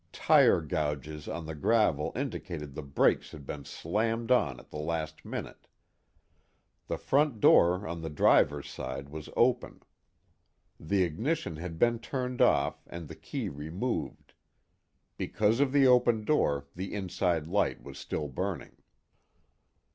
Tire gouges on the gravel indicated the brakes had been slammed on at the last minute. The front door on the driver's side was open. The ignition had been turned off and the key removed; because of the open door, the inside light was still burning."